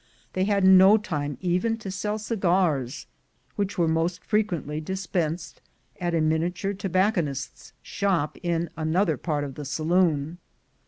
They had no time even to sell cigars, which were most frequently dis pensed at a miniature tobacconist's shop in another part of the saloon.